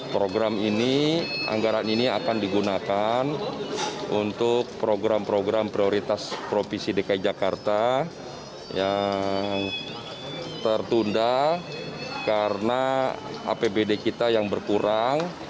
program ini anggaran ini akan digunakan untuk program program prioritas provinsi dki jakarta yang tertunda karena apbd kita yang berkurang